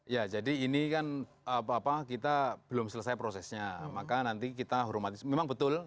ya jadi ini kan kita belum selesai prosesnya maka nanti kita hormati memang betul